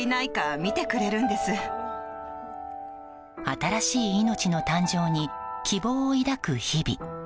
新しい命の誕生に希望を抱く日々。